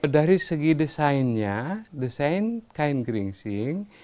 dari segi desainnya desain kain geringsing